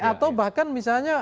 atau bahkan misalnya